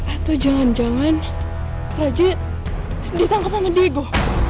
atau jangan jangan raja ditangkep sama diego